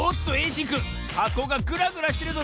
しんくんはこがグラグラしてるぞ。